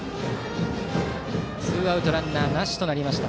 ツーアウトランナーなしとなりました。